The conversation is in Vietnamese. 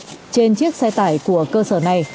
trên chiếc xe tải của cơ sở này